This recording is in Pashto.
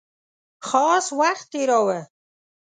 خاص وخت تېراوه.